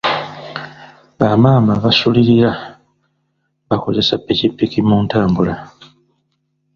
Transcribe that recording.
Bamaama abasulirira bakozesa ppikipiki mu ntambula.